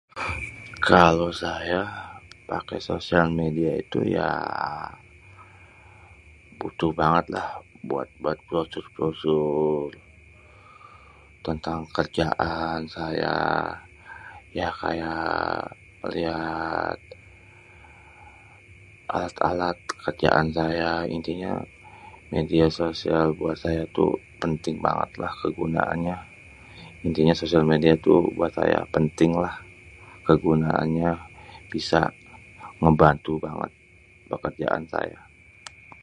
kalo saya pake sosial media itu yaa uhm butuh banget lah buat brosur-brosur tentang kerjaan saya.. ya kaya liat alat-alat kerjaan saya.. intinya yang biasa buat saya tu penting banget lah kegunaannya.. intinya buat saya tuh sosial media penting lah.. kegunaannya bisa membantu banget pekerjaan saya..